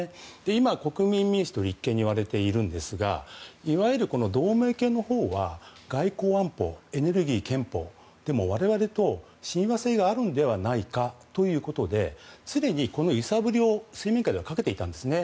今、国民民主と立憲に割れているんですがいわゆる同盟系のほうは外交安保エネルギー健保で我々と親和性があるんじゃないかということですでに揺さぶりを水面下ではかけていたんですね。